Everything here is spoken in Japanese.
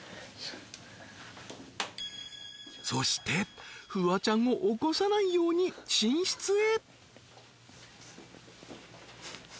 ［そしてフワちゃんを起こさないように寝室へ］